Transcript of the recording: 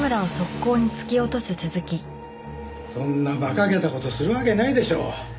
そんな馬鹿げた事するわけないでしょう。